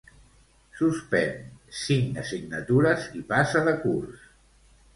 Suspèn cinc assignatures i passa de curs